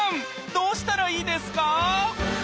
どうしたらいいですか？